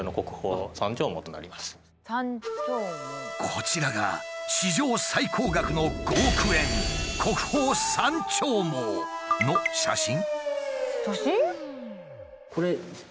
こちらが史上最高額の５億円写真？